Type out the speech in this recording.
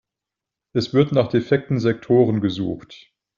Es wird nach defekten Sektoren gesucht.